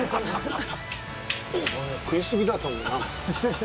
俺、食い過ぎだと思うな。